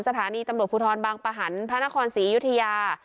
สถานีตำรวจภูทรบางประหันฯพศยุฒิยา